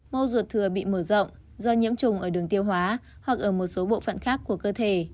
mô ruột thừa bị mở rộng do nhiễm trùng ở đường tiêu hóa hoặc ở một số bộ phận khác của cơ thể